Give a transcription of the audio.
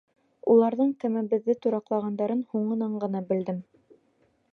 Уларҙың кәмәбеҙҙе тураҡлағандарын һуңынан ғына белдем.